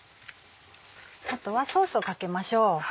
あとはソースをかけましょう。